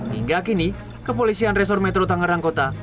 hingga kini kepolisian resor metro tangerang kota